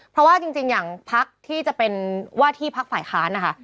เพราะว่าจริงอย่างพักที่จะเป็นว่าที่พักฝ่ายค้านนะคะ